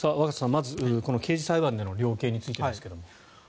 まず刑事裁判での量刑についてですが。